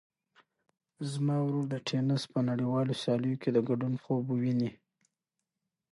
زما ورور د تېنس په نړیوالو سیالیو کې د ګډون خوب ویني.